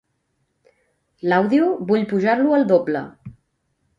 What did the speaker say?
L'àudio, vull pujar-lo al doble.